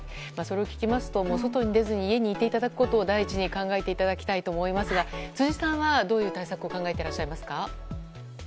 それを聞きますと、外に出ずに家にいていただくことを第一に考えていただきたいと思いますが、辻さんは、どういう対策を考えてらっしゃいますか？